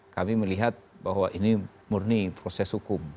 kami melihat bahwa ini murni proses hukum